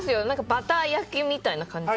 バター焼きみたいな感じ？